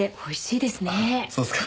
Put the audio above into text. そうっすか？